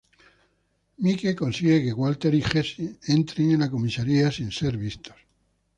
Mike consigue que Walter y Jesse entren en la comisaría sin ser vistos.